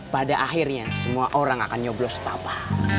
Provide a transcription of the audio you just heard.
pada akhirnya semua orang akan nyoblos papa